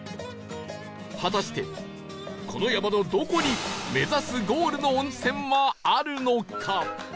果たしてこの山のどこに目指すゴールの温泉はあるのか？